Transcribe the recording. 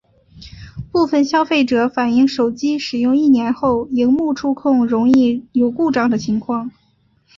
部份消费者反应手机使用一年后萤幕触控容易有故障的情况。